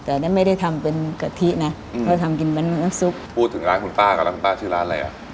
แต่นี่ไม่ได้ทำเป็นกะทินะเพราะทำกินเป็นน้ำซุปพูดถึงร้านคุณป้าก่อนแล้วคุณป้าชื่อร้านอะไรอ่ะ